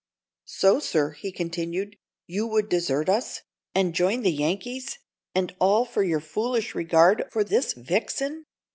"So, sir," he continued, "you would desert us, and join the Yankees, and all for your foolish regard for this vixen!"